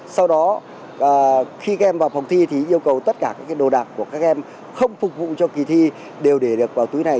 sau đó khi các em vào phòng thi thì yêu cầu tất cả các đồ đạc của các em không phục vụ cho kỳ thi đều để được vào túi này